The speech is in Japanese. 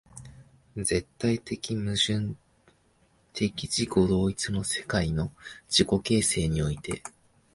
絶対矛盾的自己同一の世界の自己形成において、